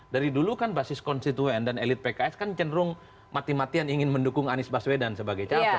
dari dulu kan basis konstituen dan elit pks kan cenderung mati matian ingin mendukung anies baswedan sebagai capres